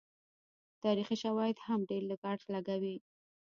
تاریخي شواهد هم ډېر لږ اړخ لګوي.